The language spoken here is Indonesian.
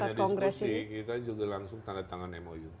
bahkan kita bukan hanya diskusi kita juga langsung tanda tangan mou